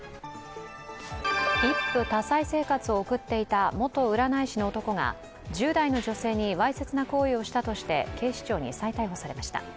一夫多妻生活を送っていた元占い師の男が１０代の女性にわいせつな行為をしたとして、警視庁に再逮捕されました。